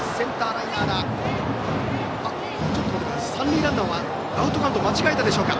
三塁ランナーはアウトカウントを間違えたでしょうか。